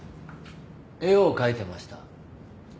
絵を描いてました。